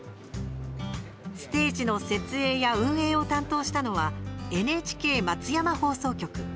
ステージの設営や運営を担当したのはＮＨＫ松山放送局。